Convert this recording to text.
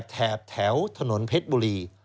แถบแถวถนนเพชรบุรี